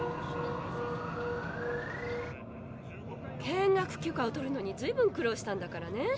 見学許可を取るのにずいぶん苦労したんだからね。